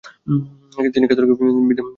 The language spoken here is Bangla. তিনি ক্যাথলিক বিদ্যালয়ে পড়াশোনা করেন।